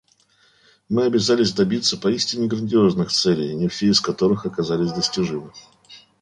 Мы обязались добиться поистине грандиозных целей, не все из которых оказались достижимы.